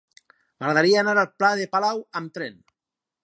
M'agradaria anar al pla de Palau amb tren.